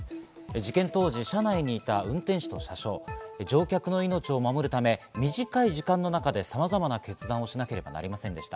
事件当時、車内にいた運転士と車掌、乗客の命を守るため短い時間の中で様々な決断をしなければなりませんでした。